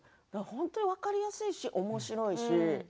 本当に分かりやすいしおもしろいし。